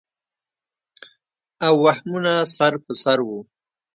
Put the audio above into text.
او وهمونه سر پر سر وو